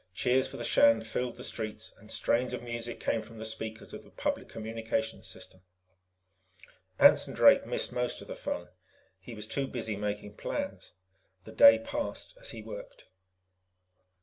Cheers for the Shan filled the streets, and strains of music came from the speakers of the public communications system. Anson Drake missed most of the fun; he was too busy making plans. The day passed as he worked.